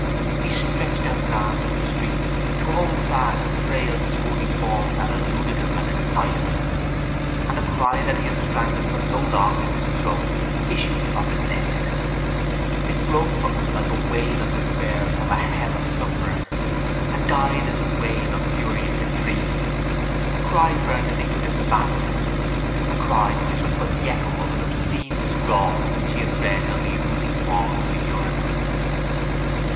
He stretched out his arms in the street to hold fast the frail swooning form that eluded him and incited him: and the cry that he had strangled for so long in his throat issued from his lips. It broke from him like a wail of despair from a hell of sufferers and died in a wail of furious entreaty, a cry for an iniquitous abandonment, a cry which was but the echo of an obscene scrawl which he had read on the oozing wall of a urinal.